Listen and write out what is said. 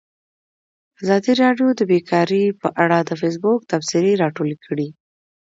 ازادي راډیو د بیکاري په اړه د فیسبوک تبصرې راټولې کړي.